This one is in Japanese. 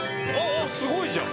すごいじゃん。